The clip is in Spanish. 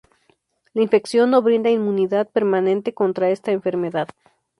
La infección no brinda inmunidad permanente contra esta enfermedad.